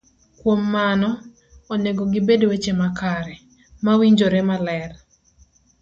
Kuom mano, onego gibed weche makare, mawinjore maler,